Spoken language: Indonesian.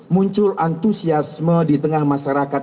muncul antusiasme di tengah masyarakat